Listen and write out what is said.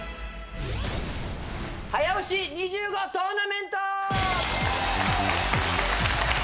早押し２５トーナメント！